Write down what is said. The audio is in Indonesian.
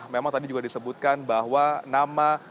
memang tadi juga disebutkan bahwa nama